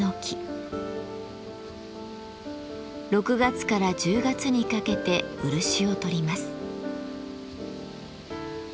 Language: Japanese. ６月から１０月にかけて漆をとります。